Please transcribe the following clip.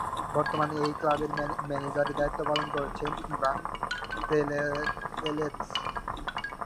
বর্তমানে এই ক্লাবের ম্যানেজারের দায়িত্ব পালন করছেন ইভান প্রেলেৎস।